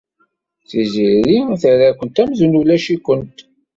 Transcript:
Tiziri terra-kent amzun ulac-ikent.